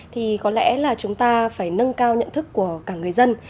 thì có lẽ là chúng ta phải nâng cao nhận thức của cả người dân